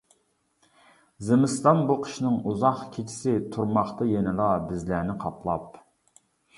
زىمىستان بۇ قىشنىڭ ئۇزاق كېچىسى تۇرماقتا يەنىلا بىزلەرنى قاپلاپ.